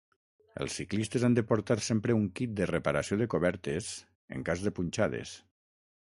Els ciclistes han de portar sempre un kit de reparació de cobertes, en cas de punxades